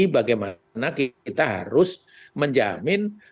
bagaimana kita harus menjamin